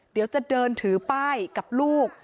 เดี๋ยวจะเดินถือป้ายกับลูก